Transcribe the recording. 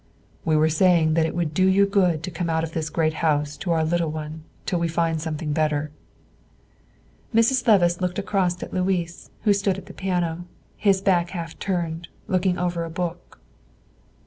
"We were saying that it will do you good to come out of this great house to our little one, till we find something better." Mrs. Levice looked across at Louis, who stood at the piano, his back half turned, looking over a book.